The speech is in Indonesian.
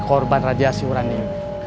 korban radiasi urani